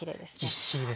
ぎっしりですね。